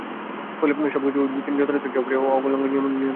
ফলে সব কিছুকে তিনি যথারীতি একটি অপরিবর্তনীয় ও অলংঘনীয় নিয়মে নিয়ন্ত্রণ করেন।